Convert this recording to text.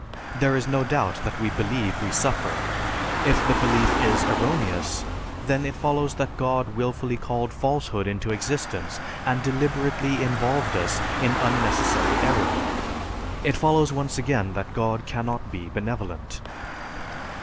There is no doubt that we believe we suffer. If the belief is erroneous, then it follows that God willfully called falsehood into existence and deliberately involved us in unnecessary error. It follows once again that God cannot be benevolent.